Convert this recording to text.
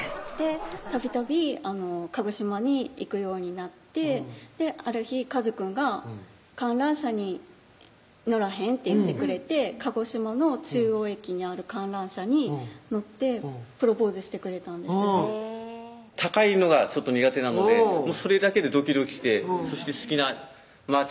たびたび鹿児島に行くようになってある日かずくんが「観覧車に乗らへん？」って言ってくれて鹿児島の中央駅にある観覧車に乗ってプロポーズしてくれたんですうん高いのがちょっと苦手なのでそれだけでドキドキしてそして好きなまー